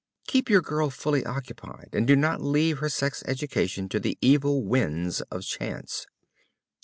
Keep your girl fully occupied and do not leave her sex education to the evil winds of chance.